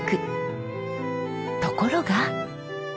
ところが。